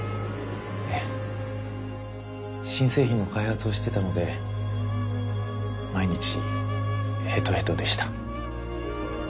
ええ新製品の開発をしてたので毎日ヘトヘトでした。